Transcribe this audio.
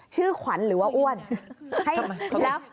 ชื่อขวัญหรือว่าอ้วน